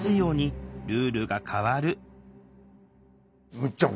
むっちゃん